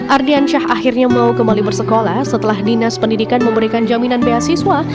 ardiansyah akhirnya mau kembali bersekolah setelah dinas pendidikan memberikan jaminan pihak siswa